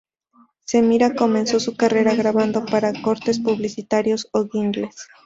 Samira comenzó su carrera grabando para cortes publicitarios o Jingles.